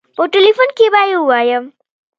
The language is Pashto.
په ټيليفون کې به يې ووايم.